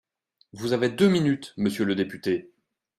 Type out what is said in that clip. Vous avez deux minutes, monsieur le député.